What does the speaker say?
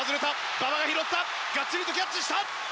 馬場、拾ったがっちりとキャッチした！